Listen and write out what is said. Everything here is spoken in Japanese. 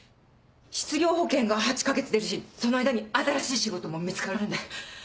失業保険が８か月出るしその間に新しい仕事も見つかるんで。